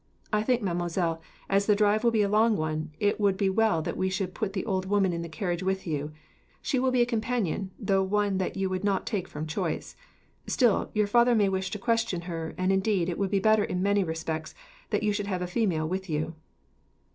I think, mademoiselle, as the drive will be a long one, it would be as well that we should put the old woman in the carriage with you. She will be a companion, though one that you would not take from choice. Still, your father may wish to question her, and, indeed, it would be better in many respects that you should have a female with you."